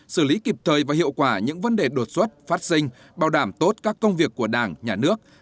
xử lý kịp thời và hiệu quả những vấn đề đột xuất phát sinh bảo đảm tốt các công việc của đảng nhà nước